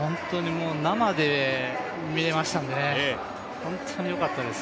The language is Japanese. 生で見れましたので、本当に良かったです。